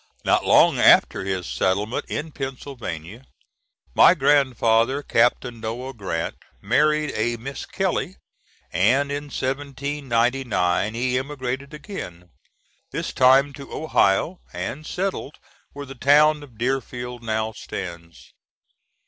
Not long after his settlement in Pennsylvania, my grandfather, Captain Noah Grant, married a Miss Kelly, and in 1799 he emigrated again, this time to Ohio, and settled where the town of Deerfield now stands.